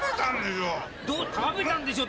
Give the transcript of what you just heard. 食べたんでしょう。